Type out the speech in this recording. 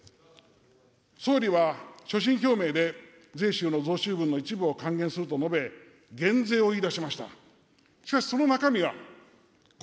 総理は所信表明で、税収の増収分の一部を還元すると述べ、減税を言いだしました。